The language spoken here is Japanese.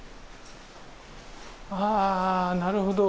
ああなるほど。